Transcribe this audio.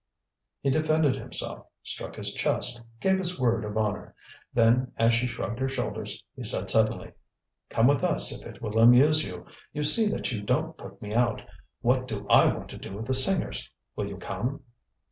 He defended himself, struck his chest, gave his word of honour. Then, as she shrugged her shoulders, he said suddenly: "Come with us if it will amuse you. You see that you don't put me out. What do I want to do with the singers? Will you come?"